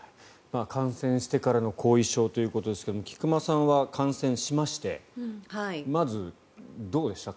感染してからの後遺症ということですが菊間さんは感染しましてまずどうでした？